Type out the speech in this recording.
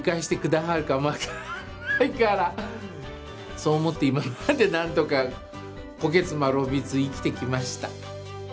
そう思って今まで何とかこけつ転びつ生きてきました。